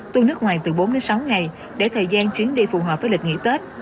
tour nước ngoài từ bốn đến sáu ngày để thời gian chuyến đi phù hợp với lịch nghỉ tết